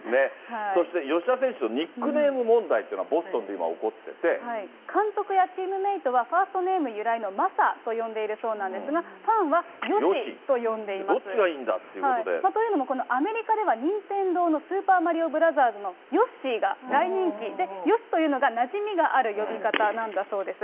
そして吉田選手のニックネーム問題というのがボストンで今、監督やチームメートは、ファーストネーム由来のマサと呼んでいるそうなんですが、ファンどっちがいいんだということで。というのもこのアメリカでは任天堂のスーパーマリオブラザーズのヨッシーが大人気で、ヨシというのがなじみがある呼び方なんだそうです。